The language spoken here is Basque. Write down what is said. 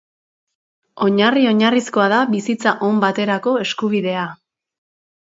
Oinarri oinarrizkoa da bizitza on baterako eskubidea.